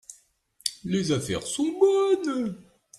Les affaires sont bonnes.